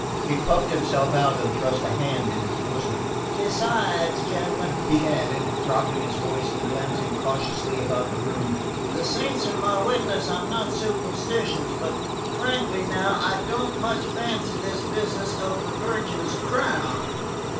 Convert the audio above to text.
He puffed himself out and thrust a hand in his bosom. "Besides, gentlemen," he added, dropping his voice and glancing cautiously about the room, "the saints are my witness I'm not superstitious but frankly, now, I don't much fancy this business of the Virgin's crown."